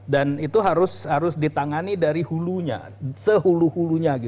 dan itu harus ditangani dari hulunya sehulu hulunya